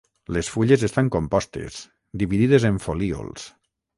Les fulles estan compostes, dividides en folíols.